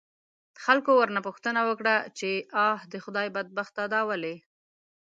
خلکو ورنه پوښتنه وکړه، چې آ د خدای بدبخته دا ولې؟